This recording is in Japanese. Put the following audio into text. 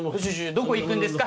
どこ行くんですか？